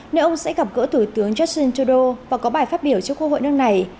nơi ông sẽ gặp cỡ thủ tướng justin trudeau và có bài phát biểu trước khu hội nước này